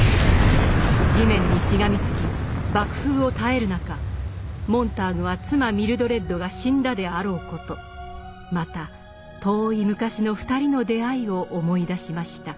地面にしがみつき爆風を耐える中モンターグは妻ミルドレッドが死んだであろうことまた遠い昔の２人の出会いを思い出しました。